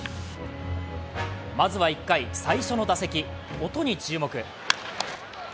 まずは１回、最初の打席、音に注目。